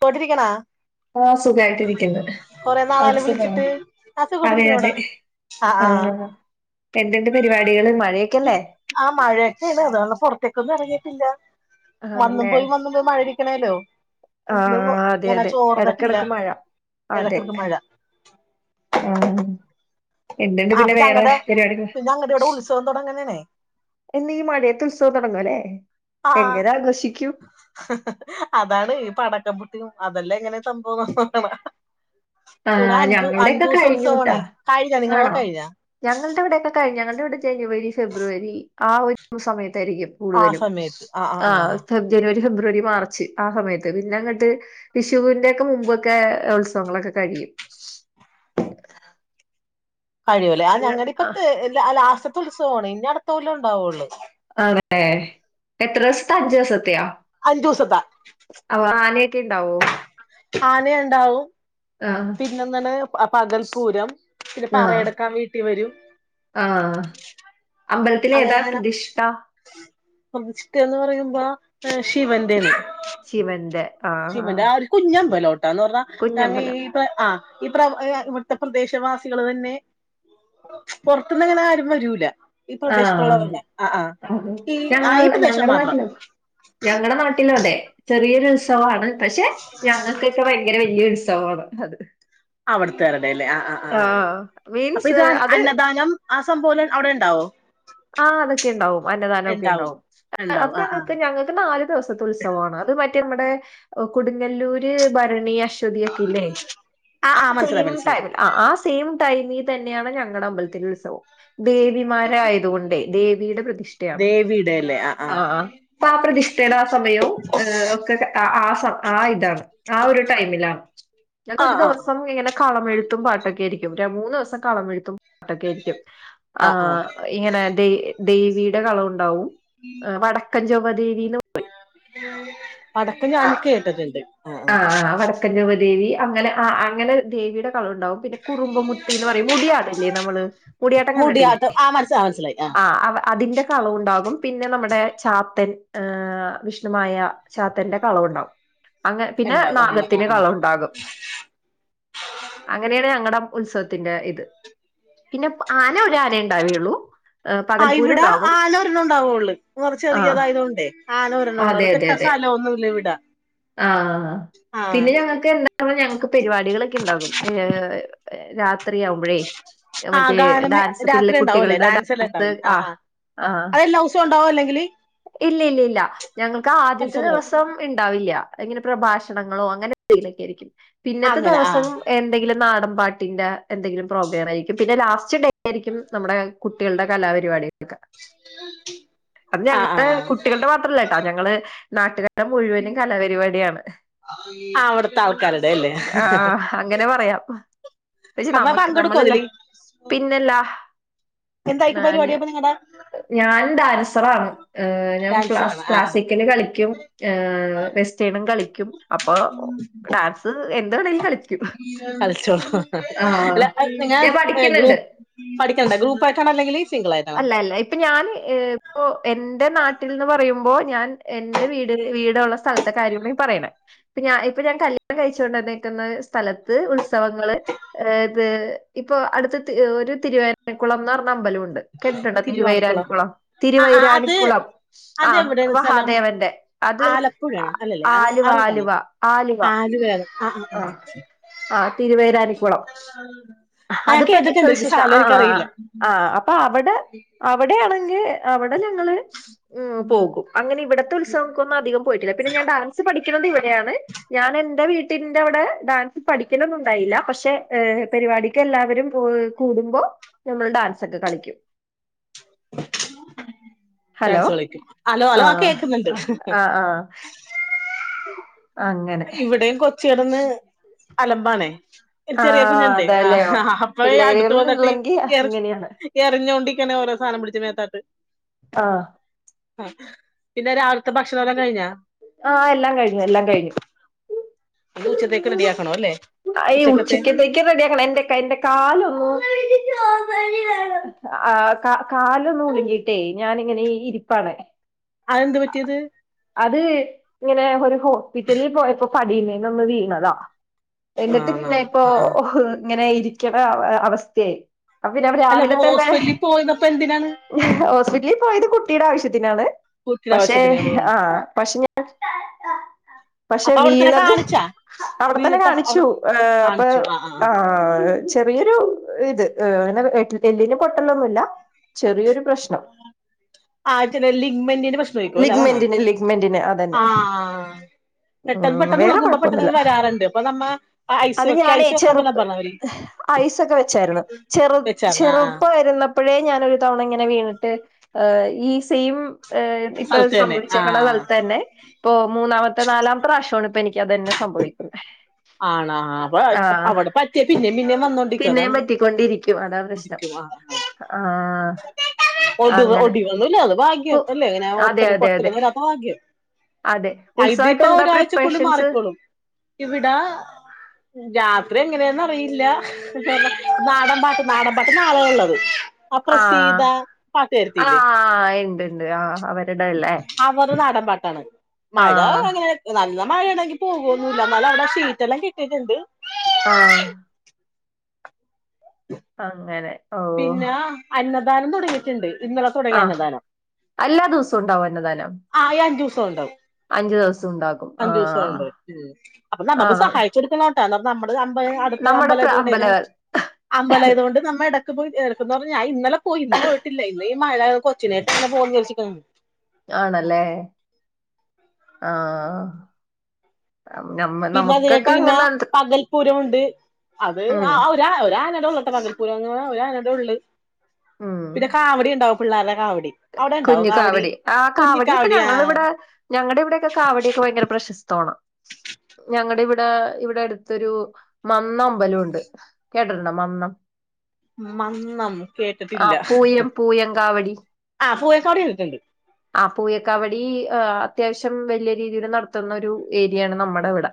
പോട്ടിരിക്ക്ണ. ആ സുഖായിട്ടിരിക്കുന്നു. അവിടെ നാളായല്ലോ സുഖണോ? വിളിച്ചിട്ട് ആ അതെ സുഖായിട്ടിരിക്കണു ഇവിടെ അതെ ആ ആ ആഹ് എന്ത്ണ്ട് പരിപാടികള് മഴയക്കല്ലേ ആഹ് മഴയൊക്കേണ് അത് കാരണം പുറത്തേക്കൊന്നും എറങ്ങിയിട്ടില്ല വന്നും ആണല്ലേ പോയി വന്നും മഴരിക്കണല്ലോ ആഹ് അതെ അതെ ഇടക്കിടക്ക് മഴ അതെ ഇടക്കിടക്ക് മഴ ആഹ് എന്തുണ്ട് പിന്നെ വേറെ പരിപാടികൾ ഞടെ വടെ ഉൽസ് തുടങ്ങാനാണേ എന്നും ഈ മഴയത്ത് ഉത്സവം തുടങ്ങും അല്ലേ ആഹ് എങ്ങനെ ആഘോഷിക്കും അതാണ് ഈ പടക്കംപുട്ടിയും അതെല്ലാം എങ്ങനെ സംഭവംന്നണ ആ ഇവടെ അഞ്ചു ഞങ്ങളുടെയൊക്കെ അഞ്ചൂസം കഴിഞ്ഞു ട്ടാ ഉത്സവാണേ കഴിഞ്ഞാ ആണോ നിങ്ങളതൊക്കെ കഴിഞ്ഞാ ഞങ്ങളുടെ ഇവിടെയൊക്കെ കഴിഞ്ഞു ഞങ്ങളുടെ ഇവിടെ ജനുവരി ഫെബ്രുവരി ആഹ് ഒരു സമയത്തായിരിക്കും ആ കൂടുതലും സമയത്ത് ആ ആ ആ ആഹ് ഫബ ജനുവരി, ഫെബ്രുവരി, മാർച്ച്, ആ സമയത്ത് പിന്നെ അങ്ങട്ട് വിഷുവിന്റെ ഒക്കെ മുമ്പൊക്കെ ഉത്സവങ്ങളൊക്കെ കഴിയും. കഴിയൂല്ലേ ആഹ് നിങ്ങൾ ഞങ്ങളടി ആ ഇപ്പത്തെ ലാസ്റ്റത്തെ ഉത്സവിണ് ഇനി അടുത്ത കൊല്ലേ ഉണ്ടാവുള്ളൂ അതേ എത്ര ദിവസത്തെ അഞ്ച് ദിവസത്തെയാ അഞ്ചൂസത്തെ അപ്പോ ആനയൊക്കെ ഇണ്ടാവോ ആനയ്ണ്ടാവും. ആ പിന്നെന്താണ് പ പകൽപൂരം പിന്നെ പറയെടുക്കാൻ വീട്ടി വരും. ആഹ് അമ്പൽത്തിലേതാ പ്രതിഷ്ഠ? പ്രതിഷ്ഠയെന്ന് പറയുമ്പോ ഏഹ് ശിവന്റെണ്. ശിവന്റെ. ആ ആ. ശിവന്റെ ആഹ് ഒരു കുഞ്ഞമ്പലോട്ട എന്ന് പറഞ്ഞാ ഞങ്ങ കുഞ്ഞമ്പലം ഈ പ്ര ആഹ് ഈ പ്ര ഇവിടുത്തെ പ്രദേശവാസികള് തന്നെ പൊറത്ത്ന്നങ്ങനെ ആരും വരൂല ഈ ആ അതെ പ്രദേശത്തുള്ളവരന്നെ ആഹ് ആഹ് ഈ ഞങ്ങൾ ആഹ് ഈ പ്രദേശം ഞങ്ങളുടെ മാത്രം നാട്ടിലും ഞങ്ങടെ നാട്ടിലും അതെ ചെറിയൊരു ഉത്സവാണ് പക്ഷെ ഞങ്ങക്കൊക്കെ ഭയങ്കര വല്യ ഉത്സവമാണ് അതെ അവിടുത്താരുടെല്ലേ ആഹ് ആഹ് ആഹ് ആഹ് അപ്പൊ മീൻസ് ഇത് അന്ന അത് അന്നദാനം ആഹ് സംഭവെല്ലാം അവിടെ ണ്ടാവോ ആഹ് അതൊക്കെ ണ്ടാവും അന്നദാനൊക്കെ ഉണ്ടാവും ണ്ടാവും അത് ഉണ്ടാവും ആ ആ ഞങ്ങക്ക് ഞങ്ങക്ക് നാല് ദിവസത്തെ ഉത്സ ത്സവാണ് അത് മറ്റേ നമ്മുടെ കൊടുങ്ങല്ലൂര് ഭരണീ അശ്വതി ഒക്കെ ല്ലേ ആ ആ ആഹ് മനസ്സിലായി സെയിം മനസ്സിലായി ടൈമില ആഹ് ആ സെയിം ടൈമി തന്നെയാണ് ഞങ്ങടെ അമ്പലത്തിൽ ഉത്സവം ദേവിമാരായ യതുകൊണ്ടേ ദേവീടെ പ്രതിഷ്ഠയാണ് എല്ലെ ആഹ് ആഹ് ആഹ് അപ്പൊ ആ പ്രതിഷ്ഠയുടെ ആ സമയവും ഒക്കെ ആഹ് സമ ആഹ് ഇതാണ് ആഹ് ഒരു ടൈമിലാണ് ഞങ്ങക്ക് ആ ഒരു ആ ദിവസം സം ഇങ്ങനെ കളമെഴുത്തും പാട്ടൊക്കെ ആരിക്കും മൂന്ന് ദിവസം കളമെഴുത്തും പട്ടൊക്കെയായിരിക്കും ആ ആ ആഹ് ഇങ്ങനെ ദേ ദേവീടെ കളവുണ്ടാവും ആഹ് വടക്കൻ ചൊവ്വദേവീന്ന് വടക്ക് ഞാൻ കേട്ടിട്ടുണ്ട് ആ ആഹ് ആഹ് വടക്കൻ ചൊവ്വ ദേവി അങ്ങനെ ആഹ് അങ്ങനെ ദേവിടെ കളവുണ്ടാവും പിന്നെ കുറുമ്പ് മുത്തീന്ന് പറയും മുടിയാടില്ലേ നമ്മള് മുടിയാട്ടം കണ്ടിട്ടി മുടിയാട്ടം ആഹ് മനസാ ആഹ് മനസിലായി ആഹ് ആഹ് അവ അതിന്റെ കളവുണ്ടാകും പിന്നെ നമ്മുടെ ചാത്തൻ ഏഹ് വിഷ്ണുമായ ചാത്തന്റെ കളവുണ്ടാവും അങ്ങ പിന്നെ ഉണ്ടാവും അങ്ങനെ ആ നാഗത്തിന് ആ കളവുണ്ടാകും അങ്ങനെയാണ് ഞങ്ങടെ ഉത്സവത്തിന്റെ ഇത് പിന്നെ ആന ഒരു ആനേ ണ്ടാവേള്ളൂ ആഹ് ഇവിടെ ആനോരണ്ണം ണ്ടാവൊള്ളൂ ആ ചെറിയതായതോണ്ടെ ആനോരെണ്ണം ണ്ടാവുള്ളൂ കെട്ടാൻ സ്ഥല സ്ഥലോന്നുല്ല ഇവിടെ ആഹ് ആ പിന്നെ ഞങ്ങക്ക് എന്താ പ്പൊ ഞങ്ങക്ക് പരിപാടികളൊക്കെ ണ്ടാകും ഏഹ് രാത്രിയാകുമ്പഴേ ആഹ് ഗാനമ രാത്രി ണ്ടാവൂല്ലേ കുട്ടികളുടെ ഡാ- ഡാൻസെല്ലാം ണ്ടാവൂലെ ആ ആഹ് ആഹ് ആ അതെല്ലാ ദിവസോം ണ്ടാവോ അല്ലെങ്കില് ഇല്ല ഇല്ല ഇല്ല ഞങ്ങൾക്ക് ആദ്യത്തെ മത്സരം ദിവസം ഇണ്ടാവില്ല്യ അങ്ങനെ പ്രഭാഷണങ്ങളോ അങ്ങനെന്തേലൊക്കെ ആയിരിക്കും പിന്നത്തെ അങ്ങനെ ആ ദിവസം എന്തെങ്കിലും നാടൻ പാട്ടിന്റെ എന്തെങ്കിലും പ്രോഗ്രാം ആയിരിക്കും പിന്നെ ലാസ്റ്റ് ഡേ ആയിരിക്കും നമ്മുടെ കുട്ടികൾടെ കലാപരിപാടികളൊക്കെ ആഹ് ആഹ് കുട്ടികൾടെ മാത്രല്ല ട്ടൊ ഞങ്ങള് നാട്ടുകാര്ടെ മുഴുവനും കലാപരിപാടിയാണ് അവിട്ത്തെ ആൾക്കാര്ടെ അല്ലേ ആഹ് അങ്ങനെ പറയാം പക്ഷെ അപ്പൊ നമ്മക്ക് പങ്കെടുക്കുവോ നമ്മളല്ലേ അതില് പിന്നെല്ലാ ഞാ എന്തായിരിക്കും പരിപാടി അപ്പൊ നിങ്ങടെ ഞാൻ ഡാൻസറാണ് ഏഹ് ഞാൻ ക്ലാസ്സി ഡാൻസറാണ് ആ ആ ക്ലാസിക്കല് കളിയ്ക്കും ഏഹ് വെസ്റ്റേണും കളിയ്ക്കും അപ്പൊ ഡാൻസ് എന്താണേലും കളിച്ചോ ആഹ് അല്ല നിങ്ങാ ഞാൻ പഠിക്കുന്നുണ്ട് ഗ്രൂപ്പ് പഠിക്കേണ്ടെ ഗ്രൂപ്പ് ആയിട്ടാണോ അല്ലെങ്കിൽ സിംഗിൾ ആയിട്ട് അല്ല അല്ല ഇപ്പൊ ഞാൻ ഇപ്പോ എന്റെ നാട്ടിൽന്ന് പറയുമ്പോ ഞാൻ എന്റെ വീടുള്ള സ്ഥലത്തെ കാര്യങ്ങളാ പറയണേ ഇ ഞാൻ ഇപ്പൊ ഞാൻ കല്യാണം കഴിച്ചു കൊണ്ടന്നേക്കുന്ന സ്ഥലത്ത് ഉത്സവങ്ങള് ഏ ഇത് ഇപ്പൊ അടുത്ത് ഒരു തിരുവനകുളംന്ന് പറഞ്ഞ അമ്പലമുണ്ട് കേട്ടിട്ടുണ്ടാ തിരുവാണിക്കുളം തിരുവൈരാണിക്കുളം ആ ആ അത് തിരുവൈരാണിക്കുളം ആ അതെവിടെയാണ് സ്ഥലം മഹാദേവന്റെ അത് ആലപ്പുഴയാണോ അല്ലല്ലേ ആ ആലുവ ആ റൂട്ടാണോ ആലുവ ആലുവ ആ ആ തിരുവൈരാനിക്കുളം ആ കേട്ടിട്ടുണ്ട് എനിക്ക് സ്ഥലം ആ എനിക്കറിയില്ല ആ ആ അപ്പൊ അവിടെ അവിടെയാണെങ്കിൽ അവിടെ ഞങ്ങള് പോകും അങ്ങനെ ഇവിടത്തെ ഉത്സവങ്ങക്കൊന്നും അധികം പോയിട്ടില്ല പിന്നെ ഞാൻ ഡാൻസ് പഠിക്കുന്നത് ഇവിടെയാണ് ഞാൻ എന്റെ വീട്ടിന്റെ അവിടെ ഡാൻസ് പഠിക്കലൊന്നും ഉണ്ടായില്ല പക്ഷെ പരിപാടി എല്ലാവരും കൂടുമ്പോ നമ്മൾ ഡാൻസ് ഒക്കെ കളിക്കും ഹലോ ഡാൻസ് കളിക്കും ഹലോ ഹലോ ആ കേൾക്കുന്നുണ്ട് ആഹ് അങ്ങനെ ഇവിടെയും കൊച്ച് കിടന്ന് അലമ്പാണേ ഒരു ആ ചെറിയ കുഞ്ഞ്ണ്ടേ ആ അതെല്ലയോ അപ്പൊ അടുത്ത് പിള്ളേരുകൾ വന്നിട്ട് ഉള്ളെങ്കി എറി അങ്ങനെയാണ് എറിഞ്ഞുകൊണ്ടിരിക്കാണ് ഓരോ സാനം പിടിച്ച് മേത്തോട്ട് ആഹ് ആ പിന്നെ രാവിലത്തെ ഭക്ഷണം ഒക്കെ കഴിഞ്ഞോ ആഹ് എല്ലാം കഴിഞ്ഞു എല്ലാം കഴിഞ്ഞു ഇനി ഉച്ചത്തേക്ക് റെഡി ആക്കണം അല്ലെ ഉച്ചത്തേക്ക് റെഡി ആക്കണം എന്റെ എന്റെ കാല് ഒന്ന് കാലൊന്നു ഉളുക്കിയിട്ടേ ഞാനിങ്ങനെ ഇരിപ്പാണ് അതെന്ത് പറ്റിയത് അത് ഇങ്ങനെ ഒരു ഹോസ്പിറ്റലിൽ പോയപ്പോ പടീമേന്നൊന്ന് വീണതാ എന്നിട്ട് ആണോ പിന്നെ ഇപ്പോ ആ ആ ഇങ്ങനെ ഇരിക്കണ അവസ്ഥയായി അപ്പൊ പിന്നെ അല്ല രാവിലെ അപ്പൊ തന്നെ ഹോസ്പിറ്റലിൽ പോയതപ്പോ എന്തിനാണ് ഹോസ്പിറ്റലിൽ പോയത് കുട്ടിയുടെ ആവശ്യത്തിനാണ് കുട്ടിയുടെ പക്ഷെ ആവശ്യത്തിന് ആ പക്ഷെ ഞാൻ പക്ഷെ അപ്പൊ അവിടെത്തന്നെ വീണത് കാണിച്ചാ അവിടെത്തന്നെ വീണിട്ട് അപ്പ കാണിച്ചു അവിടെ അപ്പൊ കാണിച്ചു ആ ആ ആഹ് ചെറിയൊരു ഇത് അങ്ങനെ എല്ലിന് പൊട്ടലൊന്നും ഇല്ല ചെറിയൊരു പ്രശ്നം ആഹ് ചില ലിഗ്മന്റിന്റെ പ്രശ്നോ [unintelligible] ലിഗ്മെന്റിന് ലിഗ്മെന്റിന് അതന്നെ ആഹ് പെട്ടെന്ന് ഉം വേറെ പെട്ടെന്നുളുകുമ്പോ പെട്ടെന്ന് കുഴപ്പൊന്നുല്ല വരാറുണ്ട് അപ്പൊ നമ്മ ഐസ് വെക്ക ഐസ് വെക്കാൻ പറഞ്ഞവര് ഐസൊക്കെ വെച്ചായിരുന്നു ചെറു ആ ചെറുപ്പമായിരുന്ന അപ്പോഴേ ഞാനൊരു തവണ ഇങ്ങനെ വീണിട്ട് ഈ സെയിം ഇപ്പൊ സ്ഥലത്ത് തന്നെ ആ സംഭവിച്ചേക്കണ സ്ഥലത്തന്നെ ഇപ്പൊ മൂന്നാമത്തെ നാലാമത്തെ പ്രാവശ്യമാണ് ഇപ്പൊ എനിക്ക് അത് തന്നെ സംഭവിക്കുന്നത് ആണോ അപ്പൊ ആഹ് അവിടെ പറ്റിയ പിന്നേ പിന്നേം വന്നോണ്ടിരിക്കും പിന്നെയും അതാണ് പറ്റിക്കൊണ്ടിരിക്കും അതാ പ്രശ്നം ആഹ് ഒ അങ്ങനെ ഒടിവോന്നുല്ല അത് പ്പ് ഭാഗ്യം അല്ലേ ഇങ്ങനെ അതെ ഒട്ടല് അതെ അതെ പൊട്ടലും വരാത്തെ ഭാഗ്യം അതെ ഉത്സവായിട്ട് അതിപ്പ എന്താ ഒരാഴ്ചക്കുള്ളി പ്രിപ്പറേഷൻസ് മാറിക്കോളും ഇവിടെ രാത്രി എങ്ങനെയാന്ന് അറിയില്ല നാടൻ പാട്ട് നാടൻ പാട്ട് നാളേ ഉള്ളത് ആ ആഹ് പ്രസീത പാട്ട്കാരത്തില്ലേ ആഹ് ഇണ്ട് ഇണ്ട് ആഹ് അവരുടെല്ലേ അവരെ നാടൻ പാട്ടാണ് മഴ ആഹ് അങ്ങനെ നല്ല മഴേണങ്കിൽ പോകൊന്നില്ല എന്നാലും അവടെ ഷീറ്റല്ലാം കെട്ടീട്ടിണ്ട്. ആഹ്. [inaudible] അങ്ങനെ. ഓ പിന്ന അന്നദാനം തുടങ്ങിട്ട്ണ്ട് ഇന്നലെ ആഹ് തുടങ്ങിയന്നദാനം. എല്ലാ ദിവസവും ഉണ്ടാവും അന്നദാനം ആഹ് അഞ്ചുസോം ഉണ്ടാവും. അഞ്ചു ദിവസം ഉണ്ടാകും. അഞ്ചുവസൊ ആഹ് ഉണ്ട്. ഉം. അപ്പൊ നമ്മള് പോയി ആഹ് സഹായിച്ചൊടുക്കണോട്ടാ. എന്ന നമ്മള് അമ്പത് അടുത് ത്ത നമ്മുടെ പ്ര അമ്പലായതോണ്ടേ അമ്പല ഞങ് അമ്പലായതോണ്ട് നമ്മ എടക്ക് ക്ക് പോയി എടക്കുന്ന് പറഞ്ഞാ ഞാൻ ഇന്നല പോയി ഇന്ന് പോയിട്ടില്ല ഇന്ന് ഈ മഴ കൊച്ചിനേട്ടങ്ങെനേ പോകുന്ന് വിചാരിച്ചിട്ട്. ആണല്ലേ? ആഹ്. നമ്മ പിന്നെ നമുക്കൊക്കെ അതികഴിഞ്ഞിട്ട് പിന്നെ അങ്ങനെ പകൽപൂരുണ്ട് അത് ഉം ആഹ് ആ ഒരാ ആ ഒരാനേരന്തെ ഉള്ളൂട്ടാ പകൽപ്പൂരംന്ന് ഒരാനെറ്റേ ഉള്ള്. ഉം പിന്നെ കാവടി ഇണ്ടാവും പിള്ളാർടെ കാവടി. അവിടെ ഉണ്ടാവോ കുഞ്ഞു കാവടി. ആ കാവടിയൊക്കെ കുഞ്ഞിക്കാവടി ആ ഞങ്ങളിവിടെ ഞങ്ങടിവിടെയൊക്കെ കാവടിയൊക്കെ ഭയങ്കര പ്രശസ്തോണ്. ഞങ്ങടിവിടെ ഇവിടടുത്തൊരു മന്നമ്പലുണ്ട്. കേട്ടിട്ടുണ്ടോ മന്നം? മന്നം ആ കേട്ടിട്ടില്ല. പൂയം പൂയം കാവടി ആ പൂയക്കാവടി കേട്ടിട്ടുണ്ട്. ആഹ് പൂയക്കാവടി അത്യാവശ്യം വല്യ രീതിയിൽ നടത്തുന്ന ഒരു ഏരിയാണ് നമ്മടിവടെ.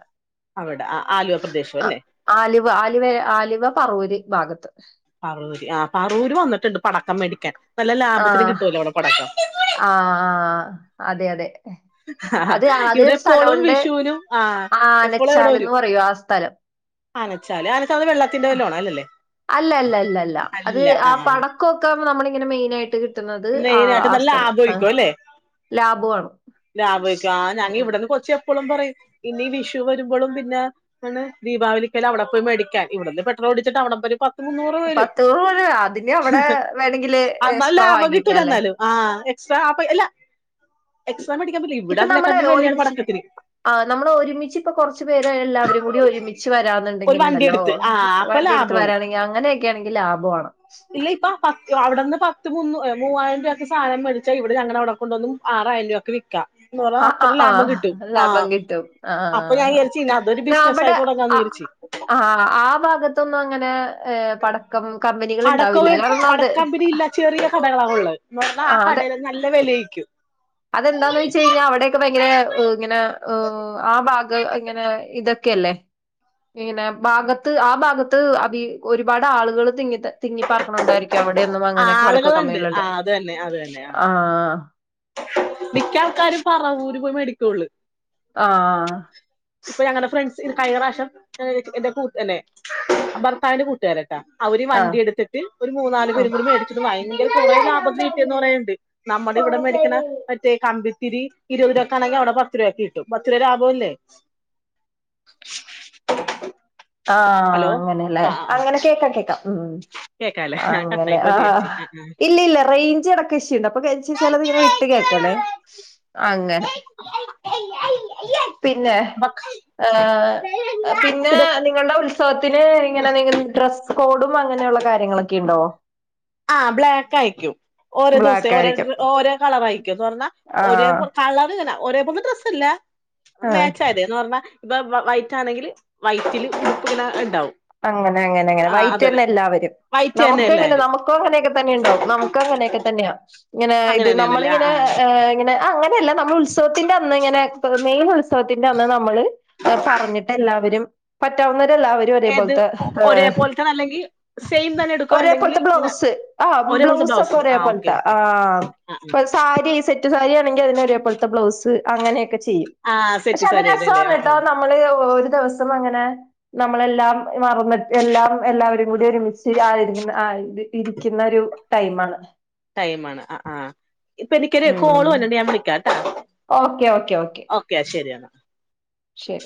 അവടെ ആ ആലുവ പ്രദേശം അല്ലേ? ആലുവ ആലുവ ആലുവ പറവൂര് ഭാഗത്ത്. പാറൂര് ആ പാറൂര് വന്നിട്ടിണ്ട് പടക്കം മേടിക്കാൻ. നല്ല ലാഭത്തിന് കിട്ടുവല്ലോ അവിടെ പടക്കം ആഹ് ആഹ്. അതെ അതെ. അത് അത് ഇവിടെ എപ്പോളും സ്ഥലവുണ്ട് വിഷുവിനും ആ എപ്പോളും ഇവിടെ ആനച്ചാലന്ന് വരും പറയും ആ സ്ഥലം. ആനച്ചാല് ആനച്ചാല് വെള്ളത്തിന്റെ വല്ലോ ആണാ അല്ലല്ലേ? അല്ലല്ലല്ലല്ല അത് ആ പടക്കൊക്കെ നമ്മളിങ്ങനെ മെയിനായിട്ട് കിട്ട് മെയിനായിട്ട് നല്ല ലാഭായിക്കും അല്ലേ? ലാബു ആണ് ലാഭായിക്കും. ആ ഉം ഉം ഞാനിവടന്ന് കൊച്ച്‌ എപ്പോഴും പറയും. ഇനി വിഷു വരുമ്പോളും പിന്നെ ആണ് ദീപാവലിക്കലൊ അവിടെ പോയി മേടിക്കാൻ. ഇവിടുന്ന് പെട്രോളടിച്ചിട്ട് അവിടെന്നൊരു പത് പത്തൂറ് പോരെ അതിന് അവിടെ വേണെങ്കില് എക്സ്ട്രാ വാങ്ങിക്ക അല്ലേ? ആഹ് എക്സ്ട്രാ ആപ്പ അല്ല എക്സ്ട്രാ മേടിക്കാൻ പറ്റില്ല. ഇവിടെ അതിനെ കാട്ടിലും വെല്യാണ് പടക്കത്തിന്. ആഹ് നമ്മളൊരുമിച്ച് ഇപ്പൊ കൊറച്ചു പേരെ എല്ലാവരും കൂടി ഒരുമിച്ച് ഒരു വണ്ടി വരാന്നുണ്ടെങ്കിലുണ്ടല്ലോ എടുത്ത് ആ അപ്പൊ വണ്ടിയെടുത്ത് ലാഭമാണ് വരാണെങ്കി അങ്ങനെയൊക്കെയാണെങ്കി ലാഭോ ആണ്. ഇല്ല ഇപ്പൊ പത്ത് അവിടുന്ന് പത്ത് മൂന്നൂ മൂവായിരം രൂപക്ക് സാനം മേടിച്ചാ ഇവിടെ ഞങ്ങടവടെ കൊണ്ടുവന്ന് മൂ ആറായിരം രൂവക്ക് വിക്കാം. ഇതുപോല ആ ആ അത്ര ആ ലാഭം കിട്ടും ലാഭം ആഹ് കിട്ടും ആ ആ, അപ്പ ഞാൻ ആ. വിചാരിച്ച്‌ ഇനി അതൊരു ബിസിനസായി തുടങ്ങാന്ന് വിചാരി [inaudible] ആഹ്. ആ ഭാഗത്തൊന്നും അങ്ങനെ പടക്ക് ക്കം കമ്പനി അടക്കവ്യേ പടക്ക കമ്പിനിയില്ല ചെറിയ കടകളാണ് ഉള്ളത് ഇന്നാ ആ കടേലെന്നെ നല്ല വെലേര്ക്കും അതെന്താന്ന് വെയിച്ച് കഴിഞ്ഞാ അവിടെയെക്കെ ഭയങ്കര ഹ് ഇങ്ങനെ ഹ് ഭാഗം ഇങ്ങനെ ഇത് ഇതൊക്കെയല്ലേ പിന്നെ ഭാഗത്ത് ആ ഭാഗത്ത് അബീ ഒരുപാട് ആള്കള് തിങ്ങിത തിങ്ങിപ്പാർക്ക്ണോണ്ടായിരിക്കാംഅവെടെയൊന്നും അങ്ങനെ പടക്ക ആളുകളുണ്ട് കമ്പിനികളില്ല ആ അത് തന്നെ അത് തന്നെ ആ ആഹ് മിക്ക ആൾക്കാരും പറവൂര് പോയി മേടിക്കൊള്ള് ആഹ് ഇപ്പ ഞങ്ങടെ ഫ്രണ്ട്സ് ഇത് കഴിഞ്ഞ പ്രാശ്യം ഹ് എന്റെ കൂട്ട് എന്നെ ഭർത്താവിന്റെ കൂട്ടേരൻ ട്ടാ അവര് വണ്ടി ആഹ് എട്ത്തിട്ട് ഒരു മൂന്നാല് ആഹ് പേരും കൂടി മേടിച്ചിട്ട് ഭയങ്കര കുറെ ലാഭത്തിന് കീട്ടിയന്ന് പറയണ്ട് നമ്മടെ ഇവെടെ മേടിക്ക്ണെ എര് ത്തേ കമ്പിത്തിരി ഇരുവത് രൂപക്ക് ആണെങ്ക അവെടെ പത്ത് രൂപക്ക് കിട്ടും പത്ത് രൂപ ലാഭം അല്ലേ ആഹ് ഹലോ അങ്ങനെയെല്ലേ ആ ആ ആ അങ്ങനെ ഷൈക്കാക്കി വെക്കാ ഉം കേക്കാല്ലേ ആ അങ്ങനെ കട്ടായി പോയെന്ന് വിചാരിച്ച് ആഹ് ഇല്ല ഇല്ല റേഞ്ച് ഇടക്ക് ഇഷൂണ്ട് അപ്പൊ കെെച്ച് ചെലത് ഇങ്ങനെ വിട്ട് കേക്കണേ അങ്ങനെ പിന്നെ ആ ഹ് പിന്നെ നി നിങ്ങൾടെ ഉത്സവത്തിന് ഇങ്ങനെ എന്തെങ്കിലും ഡ്രസ്സ് കോഡും അങ്ങനെയുള്ള കാര്യങ്ങളെക്കെ ഇണ്ടോ ആഹ് ബ്ലാക്ക് ആയിക്കും ഓരോ ദിവസേ ബ്ലാക്ക് ഓരോ ആയിരിക്കും. ഡ്ര ഓരോ കളറായിക്കും സ്വർണ ഒരെ ആഹ് പോൽ ത്തെ കളറ് ഇങ്ങനെ ഒരെ പോൽത്തെ ഡ്രസ്സെല്ല ആഹ് മാച്ച് ആയതേ എന്ന് പർണാ ഇപ്പം വ വൈറ്റാണെങ്കില് വൈറ്റില് ഉടുപ്പ് ഇങ്ങണെ ഇണ്ടാവും അങ്ങനെ അങ്ങനെ അങ്ങനെ വൈറ്റെന്നെ എല്ലാവരും വൈറ്റ് തന്നെ നമുക്കേ എങ്ങനെ എല്ലാരും നമുക്കോ അങ്ങനെയക്കെ തന്നെയുണ്ടാവും നമുക്ക് അങ്ങനെയെക്കെ തന്നെയാ ഇങ്ങനെ അങ്ങനെ ഇത് തന്നെയാണല്ലേ ആ നമ്മളിങ്ങനെ ആ ഏ ഇങ്ങനെ ആ അങ്ങൻ ഇതെല്ല നമ്മള് ഉത്സവത്തിന്റെ അന്ന് ഇങ്ങനെ പ് മെയിൻ ഉത്സവത്തിന്റെ അന്ന് നമ്മള് ഹ് പറഞ്ഞിട്ട് എല്ലാവരും പറ്റാവുന്നവര് എല്ലാവരും ഒരേപോൽ ഏത് ഹ് ആഹ് ഒരേപോലത്തെ അല്ലെങ്കിൽ സെയിം തന്നെ എടുക്കോ ഒരേ അല്ലെങ്കിൽ പോൽത്തെ ഇങ്ങനെ ബ്ലൗസ് ആഹ് ബ്ലൗസ് ഒക്കെ ഒരെപോൽത്തെ ട്ട ആഹ് ആഹ് ആഹ് ഈ സെറ്റ് സാരിയാണെങ്കെ അതിന് ഒരേ പോൽത്തെ ബ്ലൗസ് അങ്ങനെയെക്കെ ചിയ്യും ആ പക്ഷെ സെറ്റ് അത് ഒരു സാരിയല്ലേ ആ രസ്വാണ് ആ ട്ടോ നമ്മ നമ്മള് ഒ ഒരു ദിവസം അങ്ങനെ നമ്മളെല്ലാം മറന്ന്ട്ട് എല്ലാം എല്ലാവരിം കൂടി ഒരുമിച്ച് ആദരിക്ക്ന്ന ആഹ് ഇത് ഇരിക്ക്ന്ന ഒരു ടൈമാണ് ടൈമാണ് ആഹ് ആഹ് ഇപ്പെ എനിക്കൊര് കോള് ഉം വര്ന്ണ്ട് ഞാൻ വിളിക്കാൻ ഓക്കെ ഓക്കെ ഓക്കെ ഓക്കേ ശെരി എന്നാ ശെരി